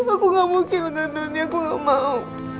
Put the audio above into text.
aku gak mungkin dengan doni aku gak mau